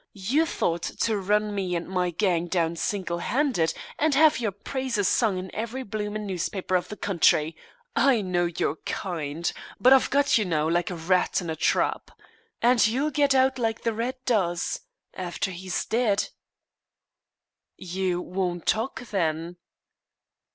You thought to run me and my gang down single handed, and have your praises sung in every bloomin' newspaper of the country! I know your kind. But I've got you now like a rat in a trap. And you'll get out like the rat does after he's dead." "You won't talk then?"